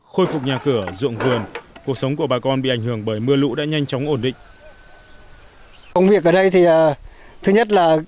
khôi phục nhà cửa ruộng vườn cuộc sống của bà con bị ảnh hưởng bởi mưa lũ đã nhanh chóng ổn định